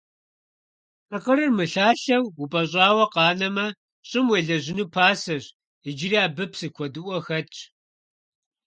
Тыкъырыр мылъалъэу упӀэщӀауэ къанэмэ, щӀым уелэжьыну пасэщ, иджыри абы псы куэдыӀуэ хэтщ.